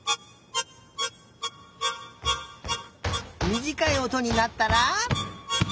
みじかいおとになったら。